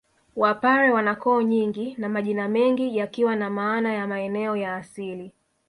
Wapare wana koo nyingi na majina mengi yakiwa na maana ya maeneo ya asili